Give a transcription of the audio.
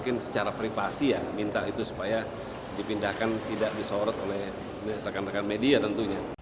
dan secara privasi ya minta itu supaya dipindahkan tidak disorot oleh rekan rekan media tentunya